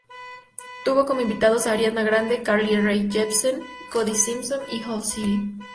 Tuvo como invitados a Ariana Grande, Carly Rae Jepsen, Cody Simpson y Owl City.